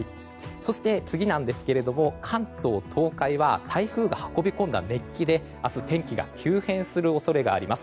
そして、次なんですが関東・東海は台風が運び込んだ熱気で明日、天気が急変する恐れがあります。